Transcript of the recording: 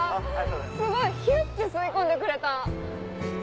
すごいヒュって吸い込んでくれた。